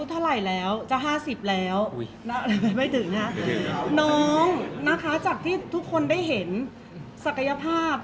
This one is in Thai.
เพราะว่าสิ่งเหล่านี้มันเป็นสิ่งที่ไม่มีพยาน